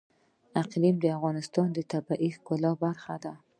اقلیم د افغانستان د طبیعت د ښکلا برخه ده.